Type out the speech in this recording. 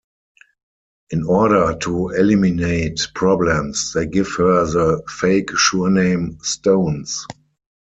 In order to eliminate problems, they give her the fake surname Stones.